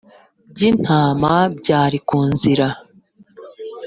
by intama byari ku nzira